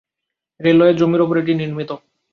রেলওয়ের জমির উপর এটি নির্মিত।